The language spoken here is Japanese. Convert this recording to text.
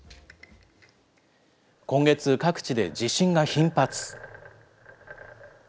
今月、各地で地震が頻発。